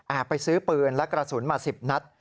ไปซื้อปืนและกระสุนมา๑๐นัด